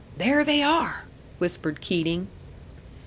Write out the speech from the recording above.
"There they are!" whispered Keating.